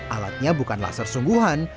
alatnya bukan laser sungguhan